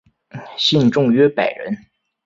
信众约百人。